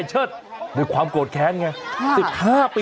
ขอบคุณครับขอบคุณครับ